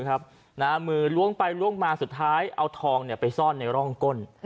มือล้วงไปล้วงมาสุดท้ายเอาทองไปซ่อนในร่องก้น